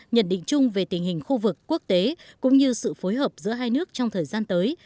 nhận định chung về tình hình khu vực quốc tế cũng như sự phối hợp giữa hai nước trong thời gian tới